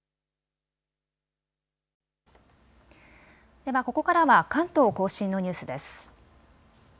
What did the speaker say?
では、ここからは関東甲信のニュースです。